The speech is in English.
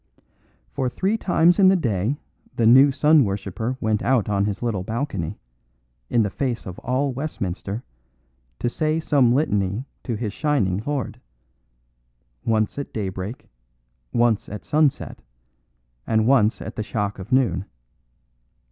For three times in the day the new sun worshipper went out on his little balcony, in the face of all Westminster, to say some litany to his shining lord: once at daybreak, once at sunset, and once at the shock of noon.